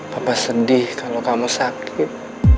papa sedih kalau kamu sakit